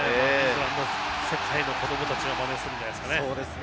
世界の子どもたちがマネするんじゃないですかね。